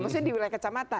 maksudnya di wilayah kecamatan